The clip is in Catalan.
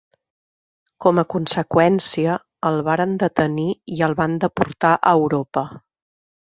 Com a conseqüència, el varen detenir i el van deportar a Europa.